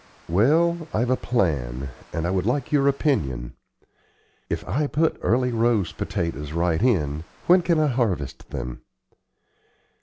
"Well, I've a plan, and would like your opinion. If I put Early Rose potatoes right in, when can I harvest them?"